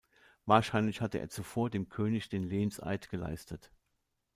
Wahrscheinlich hatte er zuvor dem König den Lehnseid geleistet.